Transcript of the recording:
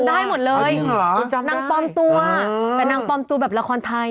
ว่าคุณจำได้หมดเลยนังปลอมตัวแบบราคอนไทย